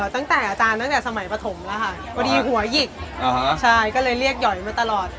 ตั้งแต่อาจารย์ตั้งแต่สมัยปฐมแล้วค่ะพอดีหัวหยิกใช่ก็เลยเรียกหย่อยมาตลอด